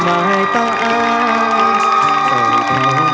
รีีบ